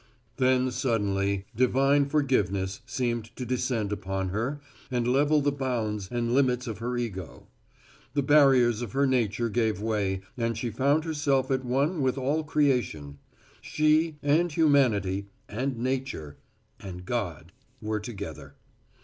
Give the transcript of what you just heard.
Then suddenly divine forgiveness seemed to descend upon her and level the bounds and limits of her ego; the barriers of her nature gave way and she found herself at one with all creation; she, and humanity, and nature, and God were together.